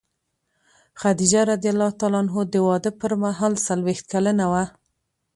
خدیجه رض د واده پر مهال څلوېښت کلنه وه.